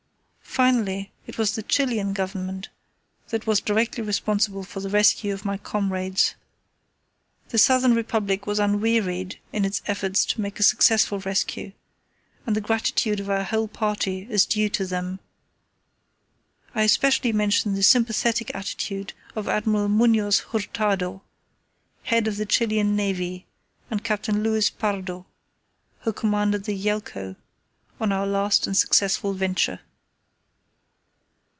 Finally, it was the Chilian Government that was directly responsible for the rescue of my comrades. This southern Republic was unwearied in its efforts to make a successful rescue, and the gratitude of our whole party is due to them. I especially mention the sympathetic attitude of Admiral Muñoz Hurtado, head of the Chilian Navy, and Captain Luis Pardo, who commanded the Yelcho on our last and successful venture.